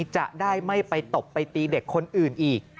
รับผิดชอบเรื่องนี้จะได้ไม่ไปตบไปตีเด็กคนอื่นอีก